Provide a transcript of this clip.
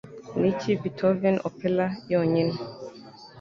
Niki Beethovens Opera Yonyine